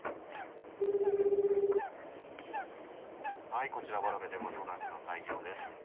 「はいこちら童電話相談室の西行です。